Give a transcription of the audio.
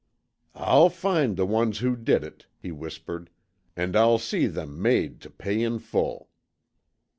"I'll find the ones who did it," he whispered, "and I'll see them made to pay in full."